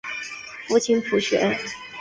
父亲浦璇。